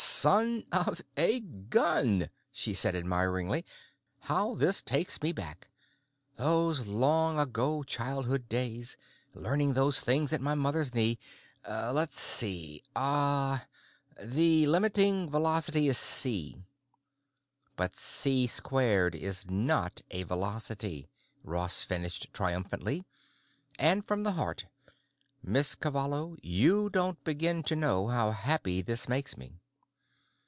"Son of a gun," she said admiringly. "How this takes me back—those long ago childhood days, learning these things at my mother's knee. Let's see. Uh—the limiting velocity is C." "But C^2 is not a velocity," Ross finished triumphantly. And, from the heart, "Miss Cavallo, you don't begin to know how happy this makes me."